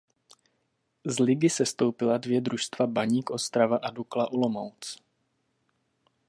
Z ligy sestoupila dvě družstva Baník Ostrava a Dukla Olomouc.